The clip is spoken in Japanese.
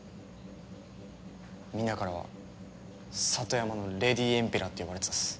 みんなからは「里山のレディーエンペラー」って呼ばれてたっす。